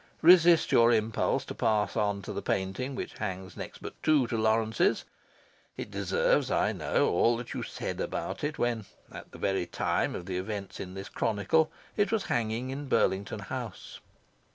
Resist your impulse to pass on to the painting which hangs next but two to Lawrence's. It deserves, I know, all that you said about it when (at the very time of the events in this chronicle) it was hanging in Burlington House.